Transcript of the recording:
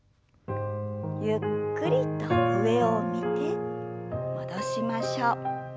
ゆっくりと上を見て戻しましょう。